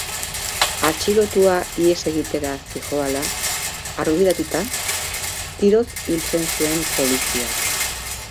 Atxilotua ihes egitera zihoala argudiatuta, tiroz hiltzen zuen poliziak.